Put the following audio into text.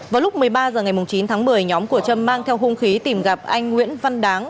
vào lúc một mươi ba h ngày chín tháng một mươi nhóm của trâm mang theo hung khí tìm gặp anh nguyễn văn đáng